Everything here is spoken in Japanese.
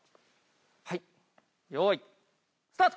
はい用意スタート！